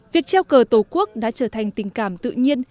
việc treo cờ tổ quốc đã trở thành tình cảm tự nhiên